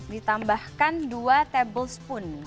ditambahkan dua tablespoon